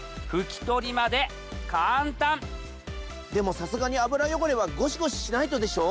でもさすがに油汚れはゴシゴシしないとでしょ？